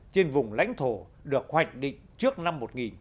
trên vùng lãnh thổ được hoạch định trước năm một nghìn chín trăm bốn mươi tám